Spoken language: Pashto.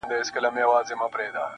زه و خدای چي زړه و تن مي ټول سوځېږي,